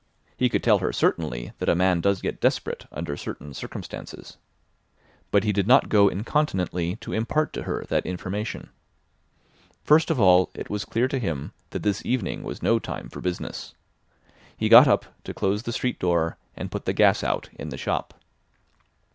He could tell her certainly that a man does get desperate under certain circumstances. But he did not go incontinently to impart to her that information. First of all, it was clear to him that this evening was no time for business. He got up to close the street door and put the gas out in the shop.